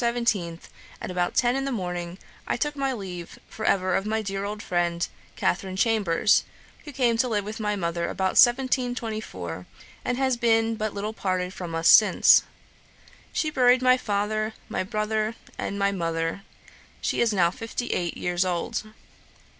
17, at about ten in the morning, I took my leave for ever of my dear old friend, Catharine Chambers, who came to live with my mother about 1724, and has been but little parted from us since. She buried my father, my brother, and my mother. She is now fifty eight years old.